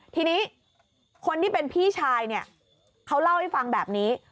ทีนี้คนที่เป็นพี่ชายเนี่ยเขาเล่าให้ฟังแบบนี้